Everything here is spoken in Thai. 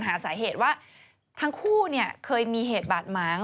หาสาเหตุว่าทั้งคู่เคยมีเหตุบาดหมาง